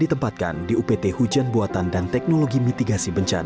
ditempatkan di upt hujan buatan dan teknologi mitigasi bencana